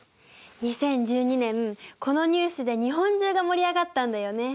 ２０１２年このニュースで日本中が盛り上がったんだよね。